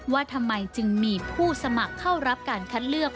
ว่าทำไมจึงมีผู้สมัครเข้ารับการคัดเลือก